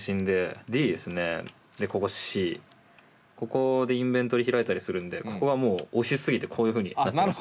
ここでインベントリ開いたりするんでここはもう押しすぎてこういうふうになってます。